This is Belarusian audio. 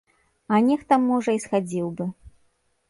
А нехта, можа, і схадзіў бы.